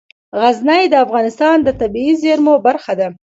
غزني د افغانستان د طبیعي زیرمو برخه ده.